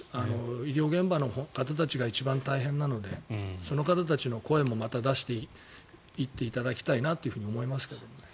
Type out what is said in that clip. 医療現場の方たちが一番大変なのでその方たちの声もまた出していっていただきたいと思いますけどね。